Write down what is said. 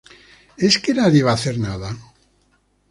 ¿Es que nadie va a hacer nada?